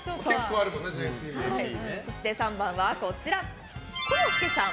そして３番は、コロッケさん。